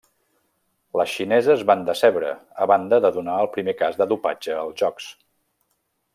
Les xineses van decebre, a banda de donar el primer cas de dopatge als Jocs.